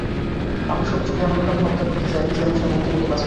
আমরা শত্রুকে এমনভাবে হত্যা করতে চাই, যেন সে মরতে মরতে বাঁচে।